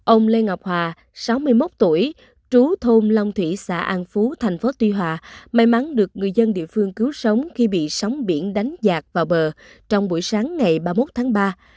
ông lê ngọc hòa sáu mươi một tuổi trú thôn long thủy xã an phú thành phố tuy hòa may mắn được người dân địa phương cứu sống khi bị sóng biển đánh giạt vào bờ trong buổi sáng ngày ba mươi một tháng ba